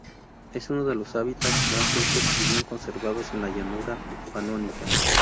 Es uno de los hábitats más ricos y bien conservados en la llanura panónica.